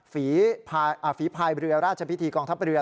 ฝีภายเรือราชพิธีกองทัพเรือ